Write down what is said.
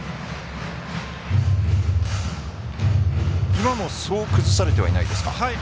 今もそう崩されてはいませんか。